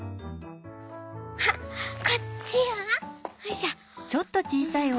あっこっちは？よいしょ」。